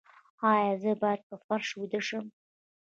ایا زه باید په فرش ویده شم؟